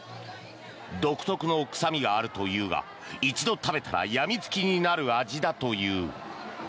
独特の臭味があるというが一度食べたらやみつきになる味だという。